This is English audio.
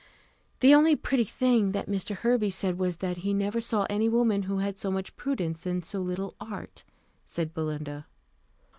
"The only pretty thing that Mr. Hervey said was, that he never saw any woman who had so much prudence and so little art," said Belinda.